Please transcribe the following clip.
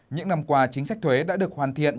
những năm qua chính sách thuế đã được hoàn thiện